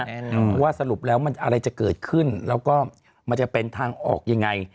แนะนำว่าสรุปแล้วมันอะไรจะเกิดขึ้นแล้วก็มันจะเป็นทางออกยังไง